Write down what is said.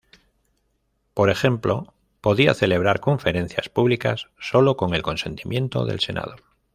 Por ejemplo, podía celebrar conferencias públicas sólo con el consentimiento del Senado.